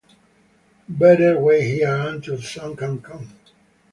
Better wait here until some can come.